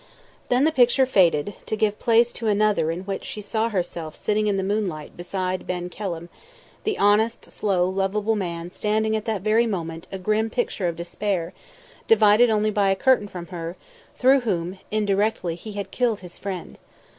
Then the picture faded, to give place to another in which she saw herself sitting in the moonlight beside Ben Kelham; the honest, slow, lovable man standing at that very moment a grim picture of despair, divided only by a curtain from her, through whom, indirectly, he had killed his friend.